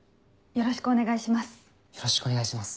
よろしくお願いします。